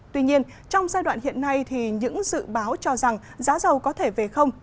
tuy nhiên trong giai đoạn hiện nay những dự báo cho rằng giá dầu có thể về không